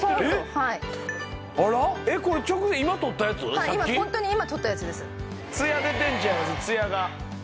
はいホントに今撮ったやつです。